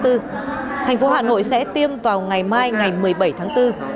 tp hcm sẽ tiêm vào ngày mai ngày một mươi bảy tháng bốn